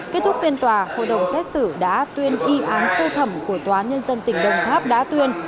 kết thúc phiên tòa hội đồng xét xử đã tuyên y án sơ thẩm của tòa nhân dân tỉnh đồng tháp đã tuyên